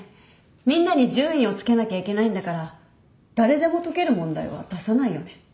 みんなに順位をつけなきゃいけないんだから誰でも解ける問題は出さないよね。